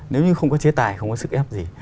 nếu như không có chế tài không có sức ép gì